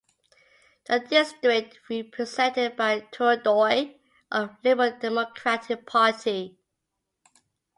The district is represented by Toru Doi of the Liberal Democratic Party.